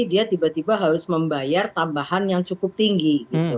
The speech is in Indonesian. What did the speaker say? dia tiba tiba harus membayar tambahan yang cukup tinggi